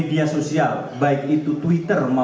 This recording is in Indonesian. diam diam diam